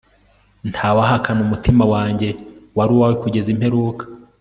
Ntawahakana umutima wanjye wari uwawe kugeza imperuka